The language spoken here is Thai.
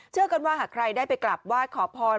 เชื่อกันว่าหากใครได้ไปกลับวาดขอพร